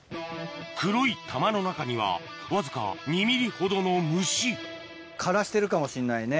黒い玉の中にはわずか２ｍｍほどの虫枯らしてるかもしれないね。